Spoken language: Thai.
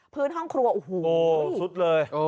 พื้นห้องครัวโอ้โหซุดเลย